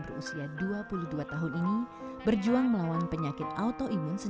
berusia dua puluh dua tahun ini berjuang melawan penyakit autoimun sejak berusia enam tahun